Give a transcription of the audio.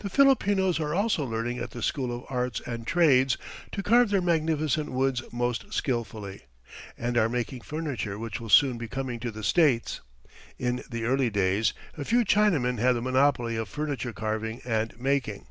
"The Filipinos are also learning at the School of Arts and Trades to carve their magnificent woods most skilfully, and are making furniture which will soon be coming to the States. In the early days a few Chinamen had the monopoly of furniture carving and making.